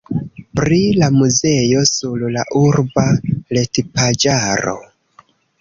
Pri la muzeo sur la urba retpaĝaro.